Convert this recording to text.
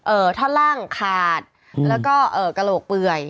เอ่อท่อดล่างขาดแล้วก็กระโหลกเปื่อย